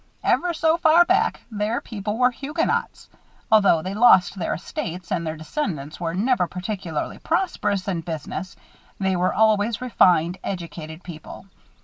Ever so far back, their people were Huguenots. Although they lost their estates, and their descendants were never particularly prosperous in business, they were always refined, educated people.